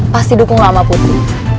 pasti dukung lo sama putri